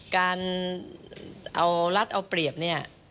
การเอารัฐเอาเปรียบเนี่ย